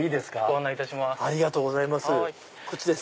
ご案内いたします。